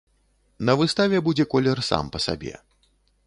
На выставе будзе колер сам па сабе.